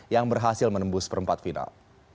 yang berhasil menembus perempat final